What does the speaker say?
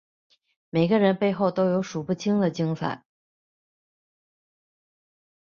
每个人背后都有数不清的精彩